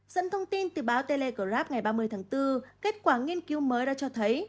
dẫn thông tin từ báo telegrab ngày ba mươi tháng bốn kết quả nghiên cứu mới đã cho thấy